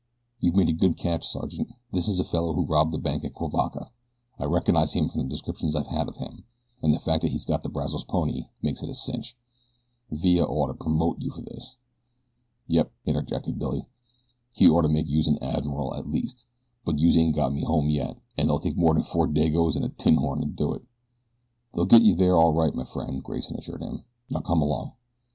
"You've made a good catch, Sergeant. This is the fellow who robbed the bank at Cuivaca. I recognize him from the descriptions I've had of him, and the fact that he's got the Brazos pony makes it a cinch. Villa oughter promote you for this." "Yep," interjected Billy, "he orter make youse an admiral at least; but youse ain't got me home yet, an' it'll take more'n four Dagos an' a tin horn to do it." "They'll get you there all right, my friend," Grayson assured him. "Now come along."